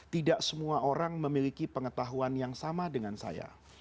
tidak semua orang memiliki pengetahuan yang sama dengan saya